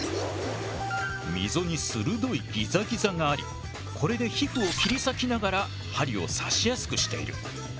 溝に鋭いギザギザがありこれで皮膚を切り裂きながら針を刺しやすくしている。